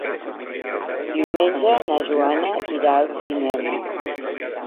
Diumenge na Joana irà al cinema.